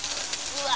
「うわ」